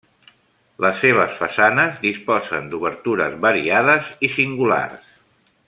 Les seves façanes disposen d'obertures variades i singulars.